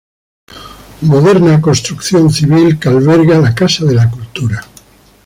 Moderna construcción civil que alberga la Casa de la Cultura.